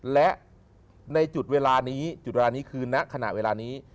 และในจุดเวลานี้จุดเวลานี้คือณขณะเวลานี้